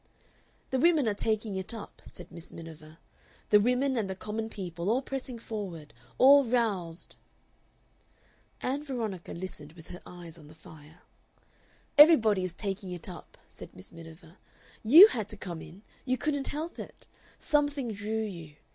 "The women are taking it up," said Miss Miniver; "the women and the common people, all pressing forward, all roused." Ann Veronica listened with her eyes on the fire. "Everybody is taking it up," said Miss Miniver. "YOU had to come in. You couldn't help it. Something drew you.